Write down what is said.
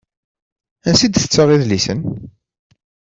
Ansi i d-tettaɣ idlisen?